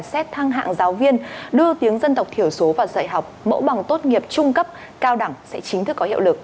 xét thăng hạng giáo viên đưa tiếng dân tộc thiểu số vào dạy học mẫu bằng tốt nghiệp trung cấp cao đẳng sẽ chính thức có hiệu lực